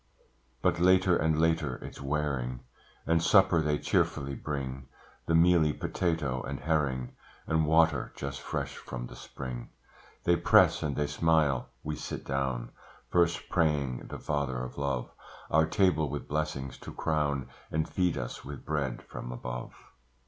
But later and later it's wearing, And supper they cheerfully bring, The mealy potato and herring, And water just fresh from the spring. They press, and they smile: we sit down; First praying the Father of Love Our table with blessings to crown, And feed us with bread from above.